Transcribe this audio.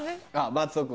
松尾君。